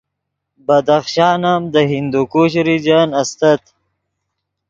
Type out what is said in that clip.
بدخشان ام دے ہندوکش ریجن استت